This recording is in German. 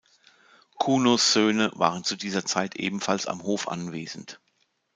Kunos Söhne waren zu dieser Zeit ebenfalls am Hof anwesend.